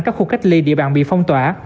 các khu cách ly địa bàn bị phong tỏa